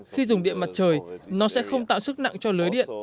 khi dùng điện mặt trời nó sẽ không tạo sức nặng cho lưới điện